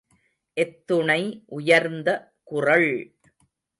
எத்துணை உயர்ந்த குறள்!